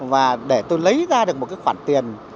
và để tôi lấy ra được một khoản tiền